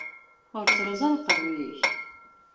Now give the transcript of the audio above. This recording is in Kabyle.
Ur ttruẓu ara aqerruy-ik.